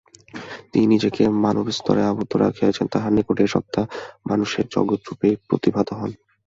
যিনি নিজেকে মানব-স্তরে আবদ্ধ রাখিয়াছেন, তাঁহার নিকট এই সত্তা মানুষের জগৎরূপেই প্রতিভাত হন।